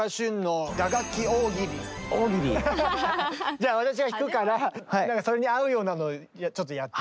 大喜利⁉じゃあ私が弾くからなんかそれに合うようなのちょっとやって。